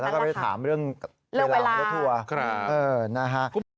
เราก็ไปถามเรื่องเวลาและตั๋ว